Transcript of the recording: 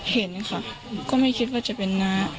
เห็นค่ะก็ไม่คิดว่าจะเป็นน้า